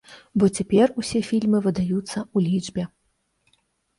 Бо цяпер усе фільмы выдаюцца ў лічбе!